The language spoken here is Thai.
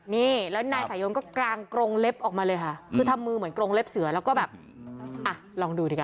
นี่แล้วนายสายนก็กางกรงเล็บออกมาเลยค่ะคือทำมือเหมือนกรงเล็บเสือแล้วก็แบบอ่ะลองดูดิกัน